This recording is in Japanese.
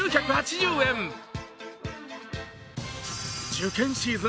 受験シーズン